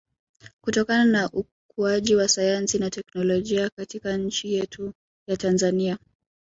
kutokana na ukuaji wa sayansi na technolojia katika nchi yetu ya Tanzania